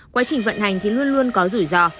quá trình vận hành thì luôn luôn có rủi ro